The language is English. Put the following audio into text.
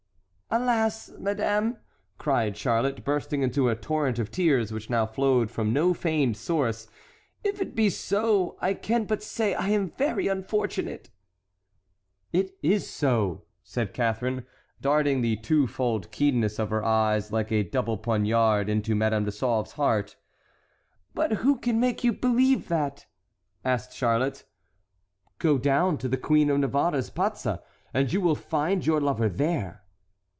"Alas, madame," cried Charlotte, bursting into a torrent of tears which now flowed from no feigned source, "if it be so, I can but say I am very unfortunate!" "It is so," said Catharine, darting the two fold keenness of her eyes like a double poniard into Madame de Sauve's heart. "But who can make you believe that?" asked Charlotte. "Go down to the Queen of Navarre's pazza, and you will find your lover there!"